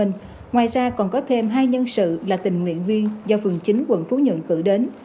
ngoài ra còn có thêm hai nhân sự là tình nguyện viên do phường chín quận phú nhuận cử đến